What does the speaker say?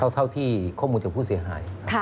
เท่าที่ข้อมูลจากผู้เสียหาย